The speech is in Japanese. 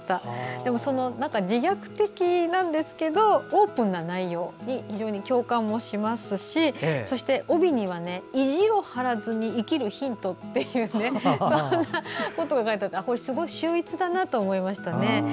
でも、自虐的なんですけどオープンな内容に非常に共感もしますしそして、帯には「意地を張らずに生きるヒント」とそんなことが書いてあって秀逸だなと思いましたね。